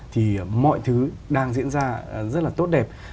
thì mọi thứ đang diễn ra rất là tốt đẹp